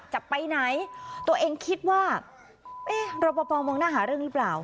จะไปไหนตัวเองคิดว่าเอ๊ะรอปภมองหน้าหาเรื่องหรือเปล่า